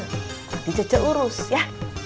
nanti cece urus ya